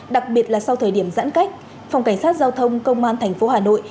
đặc biệt là sau thời điểm giãn cách phòng cảnh sát giao thông công an tp hà nội